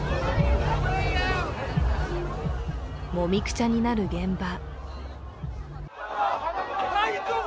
もみくちゃになる現場。